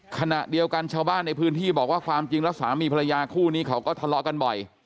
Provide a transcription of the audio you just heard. ขณะเดียวกันชาวบ้านในพื้นที่บอกว่าความจริงแล้วสามีภรรยาคู่นี้เขาก็ทะเลาะกันบ่อย